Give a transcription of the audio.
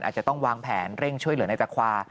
อาจจะต้องวางแผนเร่งช่วยเหลือในตะควา